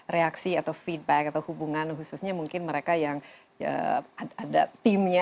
reaksi atau feedback atau hubungan khususnya mungkin mereka yang ada timnya